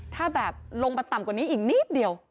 ถ้าแบบลงมาต่ำกว่านี้อีกนิดเดียว